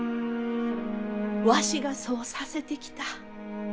わしがそうさせてきた。